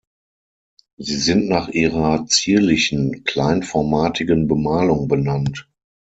Sie sind nach ihrer zierlichen, kleinformatigen Bemalung benannt.